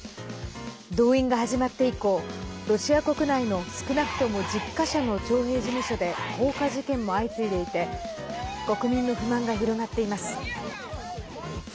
動員が始まって以降ロシア国内の少なくとも１０か所の徴兵事務所で放火事件も相次いでいて国民の不満が広がっています。